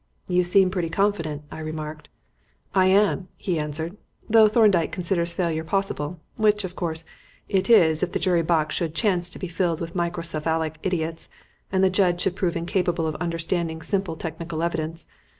"You seem pretty confident," I remarked. "I am," he answered, "though Thorndyke considers failure possible which, of course, it is if the jury box should chance to be filled with microcephalic idiots and the judge should prove incapable of understanding simple technical evidence.